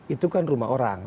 itu kan rumah orang